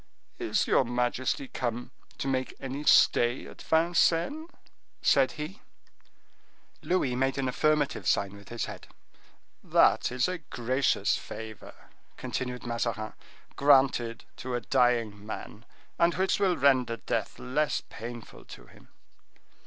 "Is your majesty come to make any stay at Vincennes?" said he. Louis made an affirmative sign with his head. "That is a gracious favor," continued Mazarin, "granted to a dying man, and which will render death less painful to him."